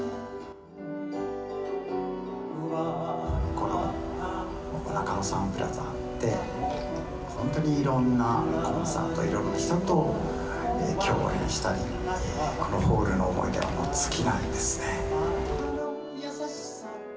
この中野サンプラザで、本当にいろんなコンサート、いろんな人と共演したり、このホールの思い出は尽きないですね。